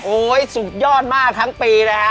โอ้ยสุดยอดมากทั้งปีแล้ว